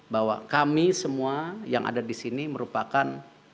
bahwa kami semua yang ada di sini merupakan